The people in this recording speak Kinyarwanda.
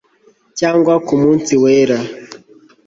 cyangwa ku munsi wera